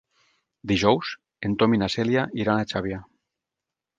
Dijous en Tom i na Cèlia iran a Xàbia.